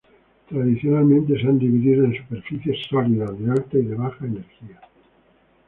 Tradicionalmente se han dividido en superficies sólidas de alta y de baja energía.